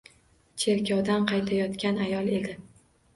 Cherkovdan qaytayotgan ayol edi.